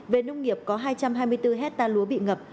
về nông nghiệp có hai trăm hai mươi bốn hectare lúa bị ngập